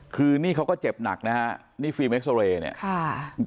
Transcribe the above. คือนี่เขาก็เจ็บหนักนะฮะนี่ฟรีเม็กซอเรย์เนี่ยค่ะ